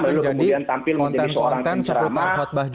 belum kemudian tampil menjadi seorang kesejahteraan